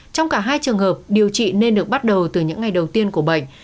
trong cả hai trường hợp điều trị nên được bắt đầu từ những ngày đầu tiên của bệnh